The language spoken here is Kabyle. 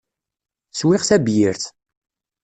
Swiɣ tabyirt.